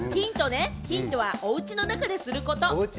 ヒントね、おうちの中ですること。